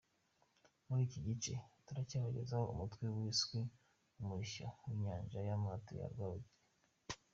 Muri iki gice, turacyabagezaho umutwe wiswe “Umurishyo w’Inyanja n’amato ya Rwabugili “.